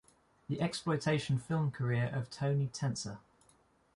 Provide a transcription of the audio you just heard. The Exploitation Film Career of Tony Tenser.